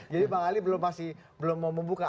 jadi pak alie belum masih belum mau membuka